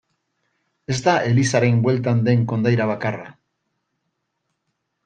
Ez da elizaren bueltan den kondaira bakarra.